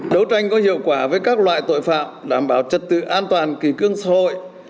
đấu tranh có hiệu quả với các loại tội phạm đảm bảo trật tự an toàn kỳ cương xã hội